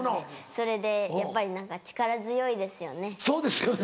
それでやっぱり力強いですよね。